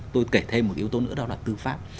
tôi kể thêm một yếu tố nữa đó là tư pháp